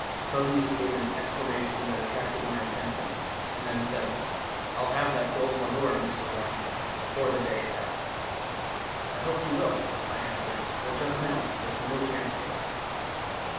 Suddenly he gave an exclamation that attracted my attention, and then said : '"I'll have that gold moidore, Mr. , before the day is out.' "'I hope you will,' I answered, 'but just now there's no chance for it.